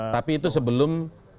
tapi itu sebelum